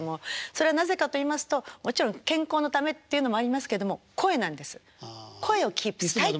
それはなぜかと言いますともちろん健康のためっていうのもありますけども声なんです。